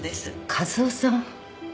和夫さん。